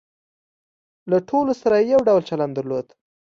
له ټولو سره یې یو ډول چلن درلود.